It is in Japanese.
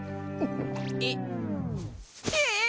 えっええ！？